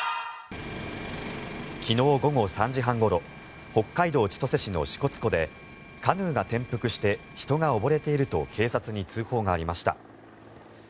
昨日午後３時半ごろ北海道千歳市の支笏湖でカヌーが転覆して人が溺れていると警察に通報がありました。